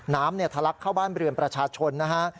ทะลักเข้าบ้านเรือนประชาชนนะฮะ